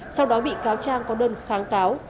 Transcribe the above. sau đó bị cáo trang có đơn kháng cáo